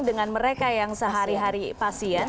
dengan mereka yang sehari hari pasien